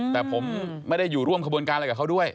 แต่ผมไม่ได้อยู่ร่วมขบวนการอะไรกับเขาด้วย